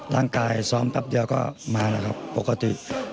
ซ้อมแป๊บเดียวก็มาแล้วครับปกติ